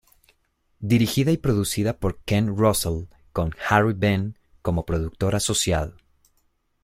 Dirigida y producida por Ken Russell, con Harry Benn como productor asociado.